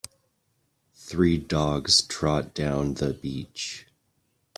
Three dogs trot down the beach.